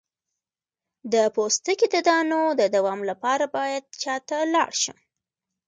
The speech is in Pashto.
د پوستکي د دانو د دوام لپاره باید چا ته لاړ شم؟